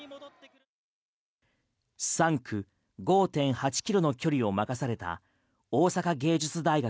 ３区５．８キロの距離を任された大阪芸術大学